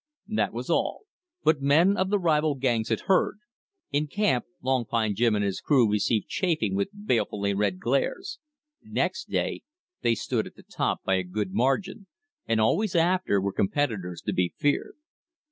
That was all; but men of the rival gangs had heard. In camp Long Pine Jim and his crew received chaffing with balefully red glares. Next day they stood at the top by a good margin, and always after were competitors to be feared.